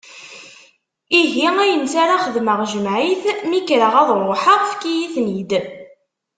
Ihi, ayen s ara xedmeɣ jmeɛ-it, mi kreɣ ad ruḥeɣ, efk-iyi-ten-id.